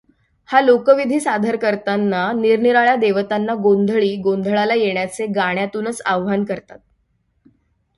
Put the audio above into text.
हा लोकविधी सादर करताना निरनिराळ्या देवतांना गोंधळी गोंधळाला येण्याचे गाण्यातूनच आवाहन करतात.